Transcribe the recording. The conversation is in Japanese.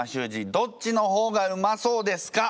どっちの方がうまそうですか？